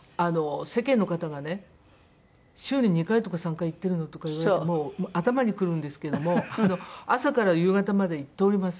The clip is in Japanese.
世間の方がね「週に２回とか３回行ってるの？」とか言われてもう頭にくるんですけども朝から夕方まで行っております。